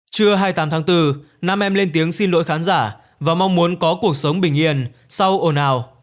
trưa hai mươi tám tháng bốn nam em lên tiếng xin lỗi khán giả và mong muốn có cuộc sống bình yên sau ồn ào